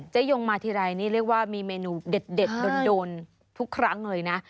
ยงมาทีไรนี่เรียกว่ามีเมนูเด็ดโดนทุกครั้งเลยนะ